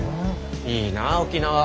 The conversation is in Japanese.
いいなぁ沖縄。